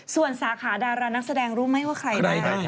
ส่วนสาขาดารานักแสดงรู้ไหมว่าใครบ้าง